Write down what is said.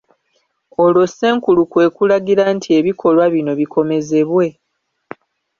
Olwo Ssenkulu kwe kulagira nti ebikolwa bino bikomezebwe.